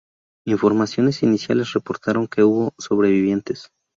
Informaciones iniciales reportaron que hubo sobrevivientes.